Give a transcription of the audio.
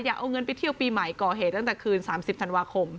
เอาเงินไปเที่ยวปีใหม่ก่อเหตุตั้งแต่คืน๓๐ธันวาคม